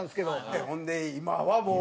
ほんで今はもう。